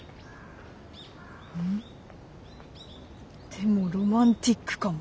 でもロマンティックかも。